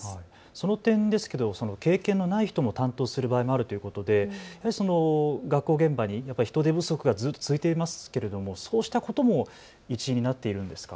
その点ですけど経験のない人も担当とするということで学校現場に人手不足がずっと続いていますけれどもそうしたことも一因になっているんですか。